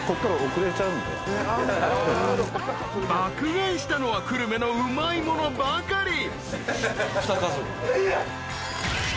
［爆買いしたのは久留米のうまいものばかり］